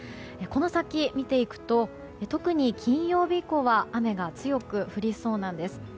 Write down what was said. この先見ていくと特に金曜日以降は雨が強く降りそうなんです。